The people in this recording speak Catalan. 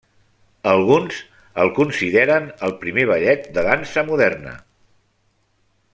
Alguns el consideren el primer ballet de dansa moderna.